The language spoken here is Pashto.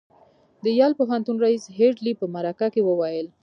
د یل پوهنتون ريیس هيډلي په مرکه کې وویل